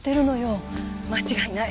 間違いない。